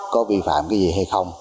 có vi phạm cái gì hay không